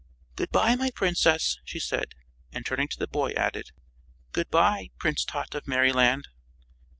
"Good bye my Princess," she said, and turning to the boy, added: "Good bye, Prince Tot of Merryland."